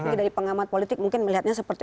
tapi dari pengamat politik mungkin melihatnya seperti